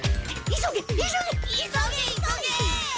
急げ急げ！